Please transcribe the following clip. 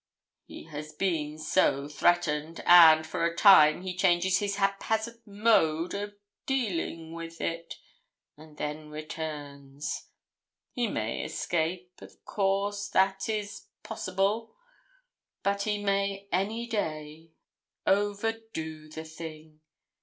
He has been so threatened, and for a time he changes his haphazard mode of dealing with it, and then returns; he may escape of course, that is possible but he may any day overdo the thing.